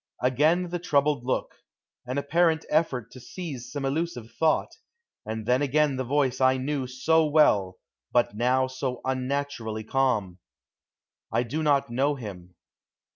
Again the troubled look, an apparent effort to seize some elusive thought, and then again the voice I knew so well, but now so unnaturally calm: "I do not know him."